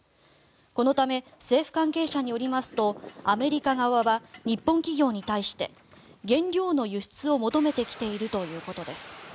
このため政府関係者によりますとアメリカ側は日本企業に対して、原料の輸出を求めてきているということです。